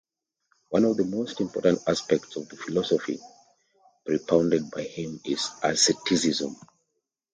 One of the most important aspects of the philosophy propounded by him is asceticism.